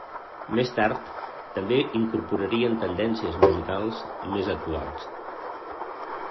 Més tard, també incorporarien tendències musicals més actuals.